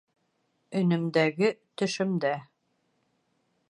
Өнөмдәге төшөмдә.